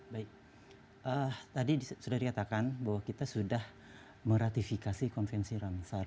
baik tadi sudah dikatakan bahwa kita sudah meratifikasi konvensi ramsar